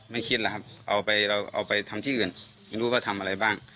ไม่คิดหรอกครับเอาไปทำที่อื่นไม่รู้ว่าทำอะไรบ้าง